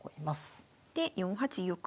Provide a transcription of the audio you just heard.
で４八玉。